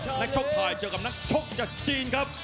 นักชกไทยเจอกับนักชกจากจีนครับ